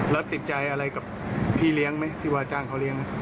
แล้วติดใจอะไรกับพี่เลี้ยงไหมที่ว่าจ้างเขาเลี้ยง